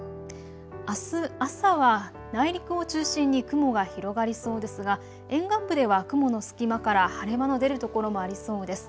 あす朝は内陸を中心に雲が広がりそうですが沿岸部では雲の隙間から晴れ間の出る所もありそうです。